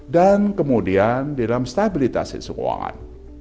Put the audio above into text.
dan kemudian dalam stabilitas sistem keuangan